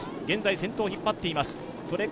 現在先頭を引っ張っています。